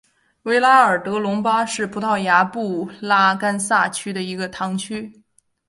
维拉尔德隆巴是葡萄牙布拉干萨区的一个堂区。